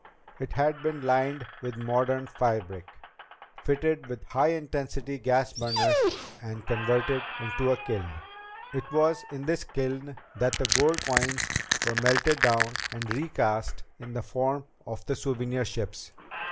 It had been lined with modern firebrick, fitted with high intensity gas burners and converted into a kiln. It was in this kiln that the gold coins were melted down and recast in the form of the souvenir ships.